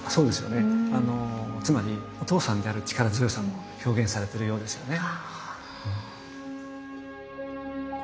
つまりお父さんである力強さも表現されてるようですよね。